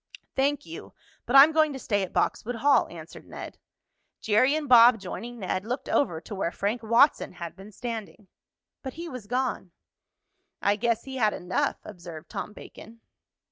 "Thank you, but I'm going to stay at Boxwood Hall," answered Ned. Jerry and Bob, joining Ned, looked over to where Frank Watson had been standing. But he was gone. "I guess he had enough," observed Tom Bacon.